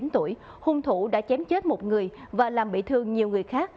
bốn mươi chín tuổi hung thủ đã chém chết một người và làm bị thương nhiều người khác